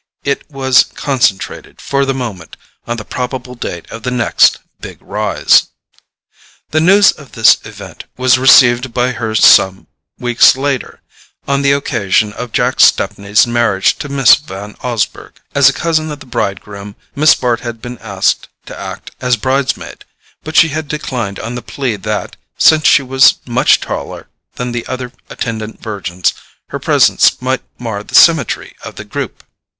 It was concentrated, for the moment, on the probable date of the next "big rise." The news of this event was received by her some weeks later, on the occasion of Jack Stepney's marriage to Miss Van Osburgh. As a cousin of the bridegroom, Miss Bart had been asked to act as bridesmaid; but she had declined on the plea that, since she was much taller than the other attendant virgins, her presence might mar the symmetry of the group.